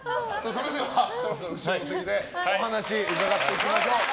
それではそろそろ後ろでお話を伺いましょう。